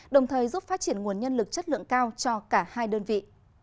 đồng thời giúp phát triển nguồn nhân lực chất lượng cao cho cả hai đơn vị